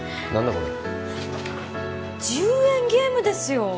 これ１０円ゲームですよ